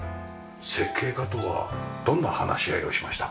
設計家とはどんな話し合いをしました？